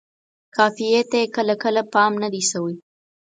قافیې ته یې کله کله پام نه دی شوی.